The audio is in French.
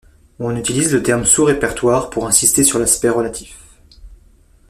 On utilise le terme sous-répertoire pour insister sur l'aspect relatif.